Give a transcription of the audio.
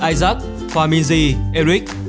isaac hoa minh di eric